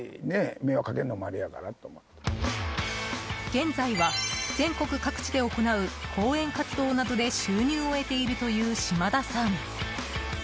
現在は、全国各地で行う講演活動などで収入を得ているという島田さん。